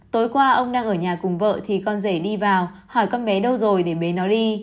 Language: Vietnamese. tối qua ông đang ở nhà cùng vợ thì con rể đi vào hỏi con bé đâu rồi để bế nó đi